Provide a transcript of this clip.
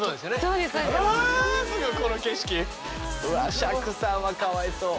うわ釈さんはかわいそう。